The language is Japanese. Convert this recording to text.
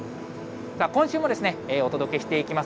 今週もお届けしていきます